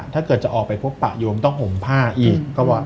ถ้าจะออกไปพบประโยมต้องห่มผ้าอีก